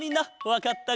わかった！